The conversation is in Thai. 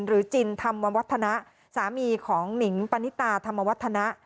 จินธรรมวัฒนะสามีของหนิงปณิตาธรรมวัฒนะ